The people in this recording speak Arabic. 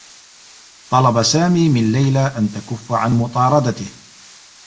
طلب سامي من ليلى أن تكفّ عن مطاردته.